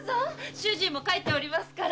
主人も帰っておりますから。